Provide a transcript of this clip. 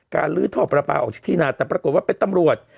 การลื้อทอบประปาออกชิดที่นานแต่ปรากฏว่าเป็นตำรวจ